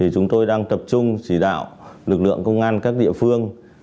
chúng tôi đang tập trung chỉ đạo lực lượng công an các địa phương